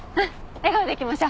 笑顔でいきましょう。